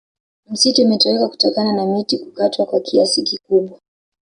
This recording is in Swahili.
misitu imetoweka kutokana na miti kukatwa kwa kiasi kikubwa